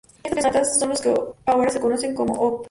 Estas tres sonatas son lo que ahora se conoce como Opp.